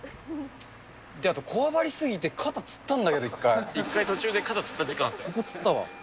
あとこわばりすぎて、肩つっ一回、途中で肩つった時間あここつったわ。